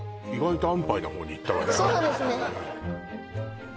そうなんですね